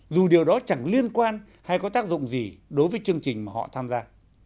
dù điều đó chẳng liên quan hay có tác dụng gì đối với chương trình mà họ tham gia